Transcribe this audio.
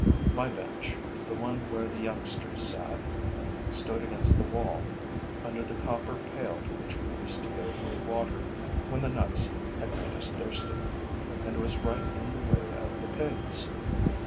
My bench, the one where the youngsters sat, stood against the wall, under the copper pail to which we used to go for water when the nuts had made us thirsty, and was right in the way of the pigs.